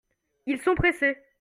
Ils sont pressés.